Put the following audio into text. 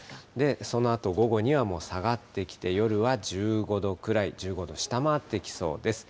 そのあと午後にはもう下がってきて、夜は１５度くらい、１５度下回ってきそうです。